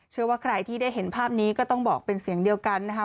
เชื่อว่าใครที่ได้เห็นภาพนี้ก็ต้องบอกเป็นเสียงเดียวกันนะคะ